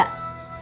kita bisa bekerja